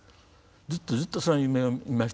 ずっとずっとその夢を見ましてね